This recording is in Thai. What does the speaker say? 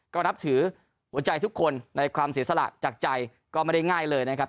ก็นับถือหัวใจทุกคนในความเสียสละจากใจก็ไม่ได้ง่ายเลยนะครับ